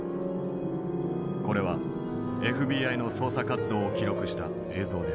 これはＦＢＩの捜査活動を記録した映像である。